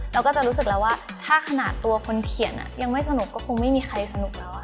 เราก็จะรู้สึกแล้วว่าถ้าขนาดตัวคนเขียนยังไม่สนุกก็คงไม่มีใครสนุกแล้ว